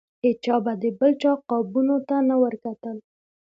هیچا به د بل چا قابونو ته نه ورکتل.